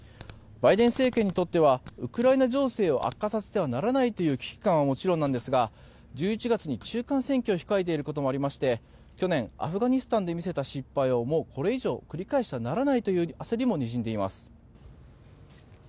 バイデン政権にとってはウクライナ情勢を悪化させてはならないという危機感はもちろんなんですが１１月に中間選挙を控えていることもありまして去年、アフガニスタンで見せた失敗をもうこれ以上繰り返してはならないという焦りもにじんでいます。